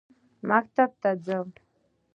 مکتب ته ځم.